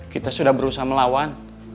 kita sudah berusaha melawan